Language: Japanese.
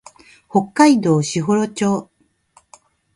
北海道士幌町